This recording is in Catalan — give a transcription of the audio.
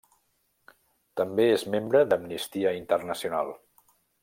També és membre d'Amnistia Internacional.